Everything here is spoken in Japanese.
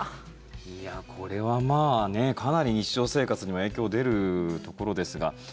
これはかなり日常生活にも影響が出るところですが。